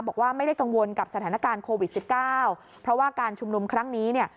บอกว่าไม่ได้กังวลกับสถานการณ์โควิดสิบเก้าเพราะว่าการชุมนุมครั้งนี้เนี่ย